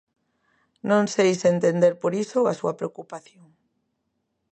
Non sei se entender, por iso, a súa preocupación.